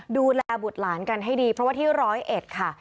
ดูแลบุตรหลานกันให้ดีเพราะว่าที่๑๐๑ค่ะ